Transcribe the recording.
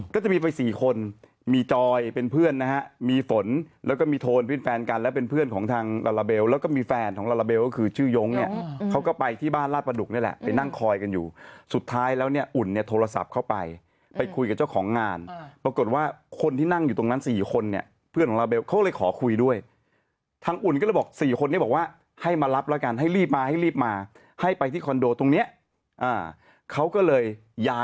ก็จะมีไปสี่คนมีจอยเป็นเพื่อนนะฮะมีฝนแล้วก็มีโทนเป็นแฟนกันแล้วเป็นเพื่อนของทางลาลาเบลแล้วก็มีแฟนของลาลาเบลก็คือชื่อย้งเนี่ยเขาก็ไปที่บ้านราดประดุกนี่แหละไปนั่งคอยกันอยู่สุดท้ายแล้วเนี่ยอุ่นเนี่ยโทรศัพท์เข้าไปไปคุยกับเจ้าของงานปรากฏว่าคนที่นั่งอยู่ตรงนั้นสี่คนเนี่ยเพื่อนของลาลา